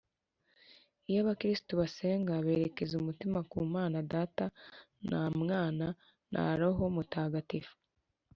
Iyo abakirisitu basenga berekeza umutima ku mana data na mwana na roho mutagatifu